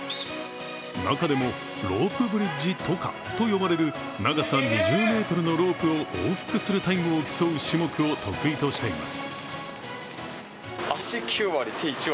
中でも、ロープブリッジ渡過と呼ばれる長さ２０ｍのロープを往復するタイムを競う種目を得意としています。